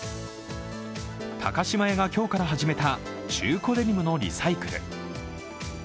高島屋が今日から始めた中古デニムのリサイクル。